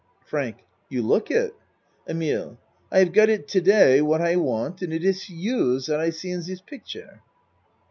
FRANK You look it. EMILE I haf got it to day what I want and it iss you zat I see in ziz picture.